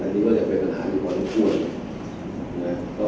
อันนี้ก็จะเป็นปัญหาที่กว่าทุกคนนะครับ